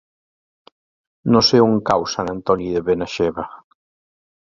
No sé on cau Sant Antoni de Benaixeve.